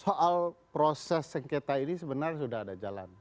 soal proses sengketa ini sebenarnya sudah ada jalan